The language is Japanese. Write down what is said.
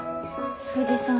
藤さん